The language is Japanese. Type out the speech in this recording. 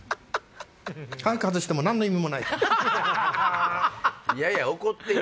早く外しても何の意味もないから。